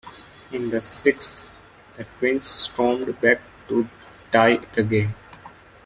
In the sixth, the Twins stormed back to tie the game.